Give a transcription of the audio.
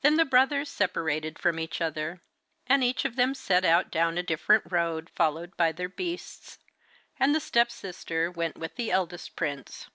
Then the brothers separated from each other, and each of them set out down a different road, followed by their beasts. And the step sister went with the eldest prince.